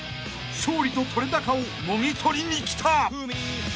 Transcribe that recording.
［勝利と撮れ高をもぎ取りにきた！］